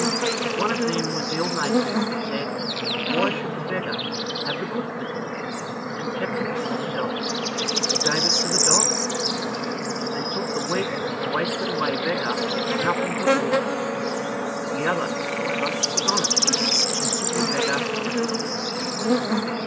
But one of them was ill natured and said, "Why should the beggar have the good food?" and kept it for himself, or gave it to the dogs, and took the weak, wasted away beggar nothing but water; the other, however, was honest, and took the beggar what was sent to him.